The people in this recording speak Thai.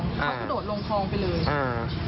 เขาก็โหลดลงคลองไปเลย